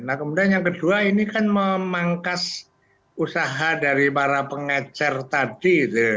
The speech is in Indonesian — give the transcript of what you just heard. nah kemudian yang kedua ini kan memangkas usaha dari para pengecer tadi